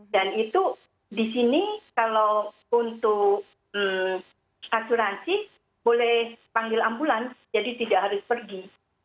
dan itu di sini kalau untuk asuransi boleh panggil ambulansi jadi tidak harus pergi